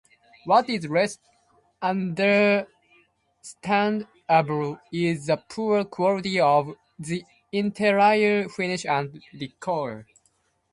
What is less understandable is the poor quality of the interior finish and decor.